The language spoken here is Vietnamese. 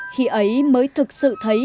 khi ấy mới thực sự thấy